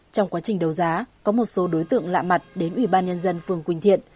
trong quá trình đấu giá có một số đối tượng lạ mặt đến ủy ban nhân dân phường quỳnh thiện